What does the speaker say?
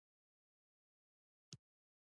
نالوستي زموږ تر څنګ ناست دي.